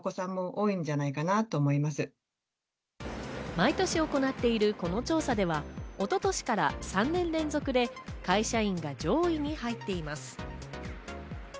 毎年行っているこの調査では、一昨年から３年連続で会社員が上位に入っています。